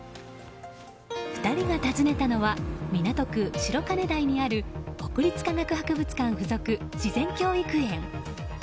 ２人が訪ねたのは港区白金台にある国立科学博物館附属自然教育園。